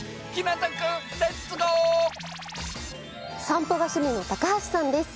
散歩が趣味の橋さんです。